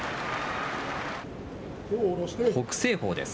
北青鵬です。